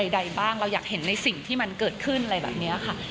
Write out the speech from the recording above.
ใดบ้างเราอยากเห็นในสิ่งที่มันเกิดขึ้นอะไรแบบนี้ค่ะ